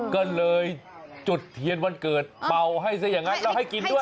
ก็เลยจุดเทียนวันเกิดเป่าให้ซะอย่างนั้นแล้วให้กินด้วย